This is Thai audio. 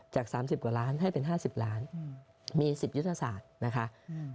จากสามสิบกว่าร้านให้เป็นห้าสิบล้านอืมมีสิบยุทธศาสตร์นะคะอืม